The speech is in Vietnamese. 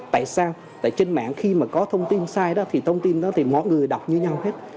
tại sao tại trên mạng khi có thông tin sai thông tin đó mọi người đọc như nhau hết